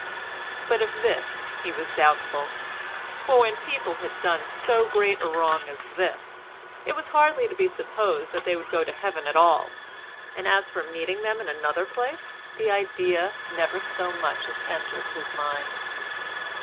But of this he was doubtful, for when people had done so great a wrong as this, it was hardly to be supposed that they would go to Heaven at all—and as for his meeting them in another place, the idea never so much as entered his mind.